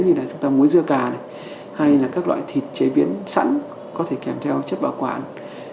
như là chúng ta muối dưa cày hay là các loại thịt chế biến sẵn có thể kèm theo chất bảo quản